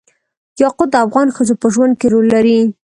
یاقوت د افغان ښځو په ژوند کې رول لري.